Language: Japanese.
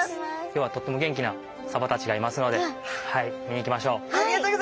今日はとっても元気なサバたちがいますので見に行きましょう。